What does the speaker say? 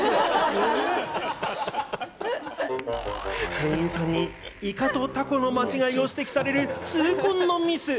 店員さんにイカとタコの間違いを指摘される痛恨のミス。